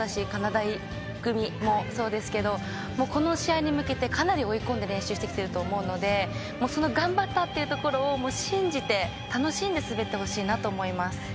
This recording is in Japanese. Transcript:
だい組もそうですが本当に、この試合に向けてかなり追い込んで練習してきていると思うのでその頑張ったというところを信じて楽しんで滑ってほしいなと思います。